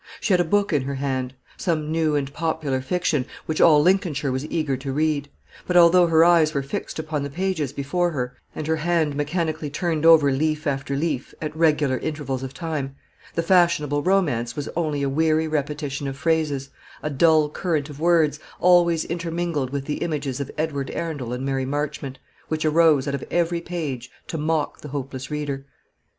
She had a book in her hand, some new and popular fiction, which all Lincolnshire was eager to read; but although her eyes were fixed upon the pages before her, and her hand mechanically turned over leaf after leaf at regular intervals of time, the fashionable romance was only a weary repetition of phrases, a dull current of words, always intermingled with the images of Edward Arundel and Mary Marchmont, which arose out of every page to mock the hopeless reader.